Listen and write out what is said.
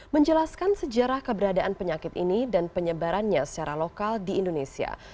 menjelaskan sejarah keberadaan penyakit ini dan penyebarannya secara lokal di indonesia